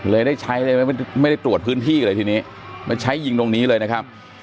ได้ใช้เลยไม่ได้ตรวจพื้นที่เลยทีนี้มาใช้ยิงตรงนี้เลยนะครับ